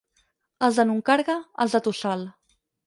Els de Nuncarga, els del tossal.